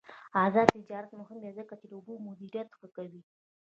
آزاد تجارت مهم دی ځکه چې اوبه مدیریت ښه کوي.